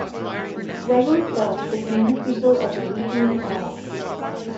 Gregory Seltz became the Speaker of "The Lutheran Hour".